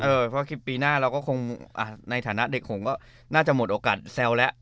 เพราะว่าคลิปปีหน้าในฐานะเด็กของก็น่าจะหมดโอกาสแซวแล้ว